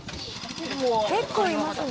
「結構いますね。